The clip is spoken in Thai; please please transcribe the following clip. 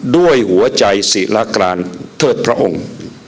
ด้วยหัวใจศิลากลางเทิดพระองค์